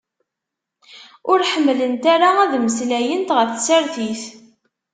Ur ḥemmlent ara ad meslayent ɣef tsertit.